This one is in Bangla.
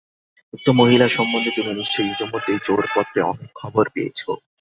উক্ত মহিলা সম্বন্ধে তুমি নিশ্চয়ই ইতোমধ্যেই জো-র পত্রে অনেক খবর পেয়েছ।